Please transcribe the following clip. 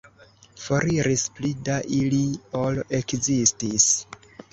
Foriris pli da ili, ol ekzistis.